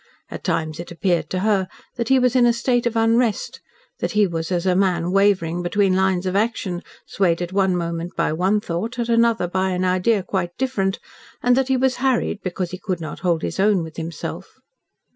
At times it appeared to her that he was in a state of unrest that he was as a man wavering between lines of action, swayed at one moment by one thought, at another by an idea quite different, and that he was harried because he could not hold his own with himself.